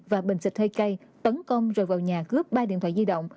và bình xịt hơi cay tấn công rồi vào nhà cướp ba điện thoại di động